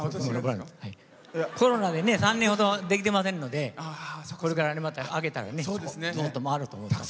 コロナで３年ほどできてませんのでこれから、また明けたらもっと回ると思います。